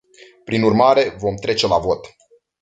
Prin urmare, vom trece la vot.